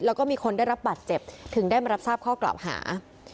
แล้วก็มีคนได้รับบาดเจ็บถึงได้มารับทราบข้อกล่าวหา